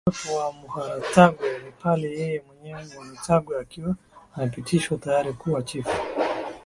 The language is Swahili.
inayoruhusu uwepo wa Muharatwaga ni pale yeye mwenyewe Muharatwaga akiwa amepitishwa tayari kuwa Chifu